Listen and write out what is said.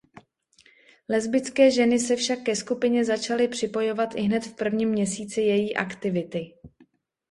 Lesbické ženy se však ke skupině začaly připojovat ihned v prvním měsíci její aktivity.